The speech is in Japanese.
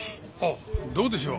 どうでしょう？